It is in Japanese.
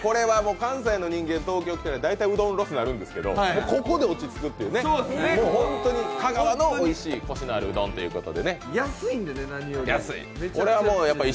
関西の人間が東京に来たら大体うどんロスになるんですけどここで落ち着くっていうね、もうホントにね、香川のおいしいこしのあるうどんということで。